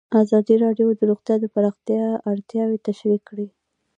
ازادي راډیو د روغتیا د پراختیا اړتیاوې تشریح کړي.